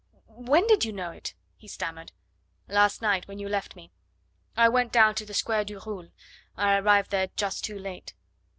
When did you know it?" he stammered. "Last night when you left me. I went down to the Square du Roule. I arrived there just too late."